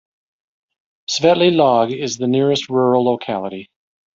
Svetly Log is the nearest rural locality.